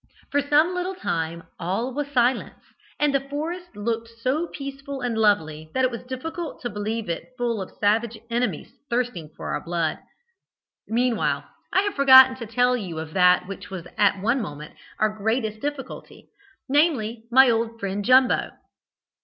For some little time all was silence, and the forest looked so peaceful and lovely, that it was difficult to believe it full of savage enemies thirsting for our blood. "Meanwhile, I have forgotten to tell you of that which was at one moment our great difficulty, namely, my old friend Jumbo.